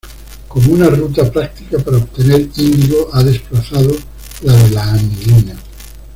Como una ruta práctica para obtener índigo ha desplazado la de la anilina.